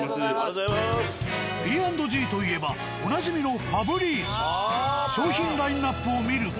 「Ｐ＆Ｇ」といえばおなじみの商品ラインアップを見ると。